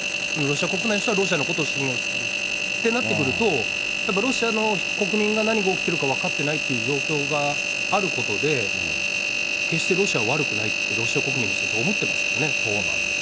そのロシア国内の人は、ロシアのことを信用してるってなってくると、やっぱりロシアの国民が何が起きているか分かってないっていう状況があることで、決してロシアは悪くないって、ロシア国民の人たちは思ってますからね。